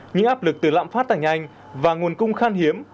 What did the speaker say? những áp lực từ lạm phát tạng nhanh và nguồn cung khăn hiếm